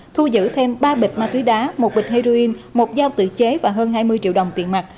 thu giữ thêm ba bịch ma túy đá một bịch heroin một dao tự chế và hơn hai mươi triệu đồng tiền mặt